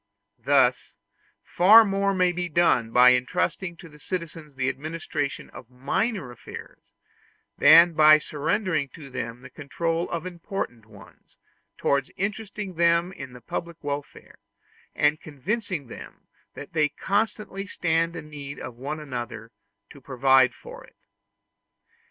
Thus, far more may be done by intrusting to the citizens the administration of minor affairs than by surrendering to them the control of important ones, towards interesting them in the public welfare, and convincing them that they constantly stand in need one of the other in order to provide for it.